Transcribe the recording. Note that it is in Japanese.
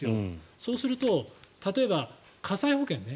そうすると、例えば火災保険ね。